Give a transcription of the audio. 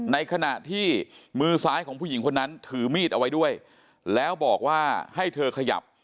ในขณะที่มือซ้ายของผู้หญิงคนนั้นถือมีดเอาไว้ด้วยแล้วบอกว่าให้เธอขยับ